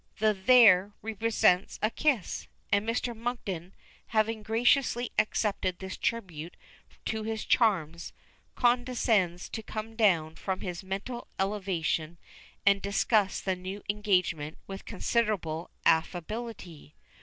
The "there" represents a kiss, and Mr. Monkton, having graciously accepted this tribute to his charms, condescends to come down from his mental elevation and discuss the new engagement with considerable affability.